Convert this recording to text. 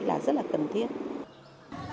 là rất là cần thiết